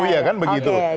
iya kan begitu